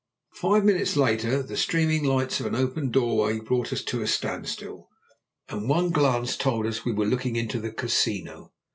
Five minutes later the streaming lights of an open doorway brought us to a standstill, and one glance told us we were looking into the Casino.